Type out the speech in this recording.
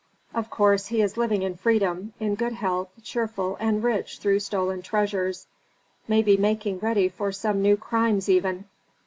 Of course he is living in freedom, in good health, cheerful and rich through stolen treasures; may be making ready for new crimes even."